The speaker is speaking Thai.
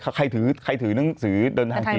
ใครถือหนังสือเดินทางจีน